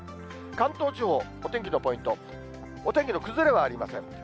関東地方、お天気のポイント、お天気の崩れはありません。